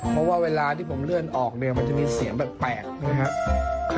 เพราะว่าเวลาที่ผมเลื่อนออกเนี่ยมันจะมีเสียงแปลกนะครับ